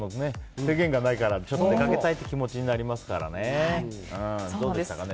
制限がないから出かけたいって気持ちになりますからね。